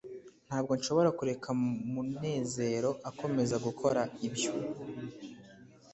ntabwo nshobora kureka munezero akomeza gukora ibyo